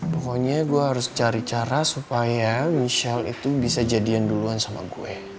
pokoknya gue harus cari cara supaya michelle itu bisa jadian duluan sama gue